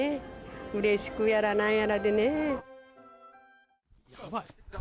うれしくやら、なんやらでねぇ。